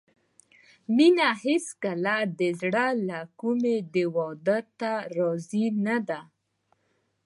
مينه هېڅکله د زړه له کومې دې واده ته راضي نه ده